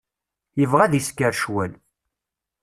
Yebɣa ad isker ccwal.